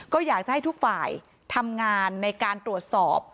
ก็อยากจะให้ทุกฝ่ายทำงานในการตรวจสอบ